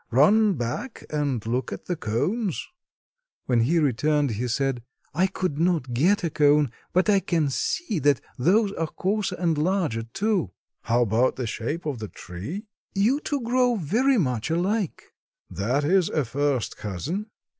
Run back and look at the cones." When he returned he said: "I could not get a cone, but I can see that those are coarser and larger, too." "How about the shape of the tree?" "You two grow very much alike." "That is a first cousin.